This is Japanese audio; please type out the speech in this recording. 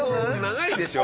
長いでしょ？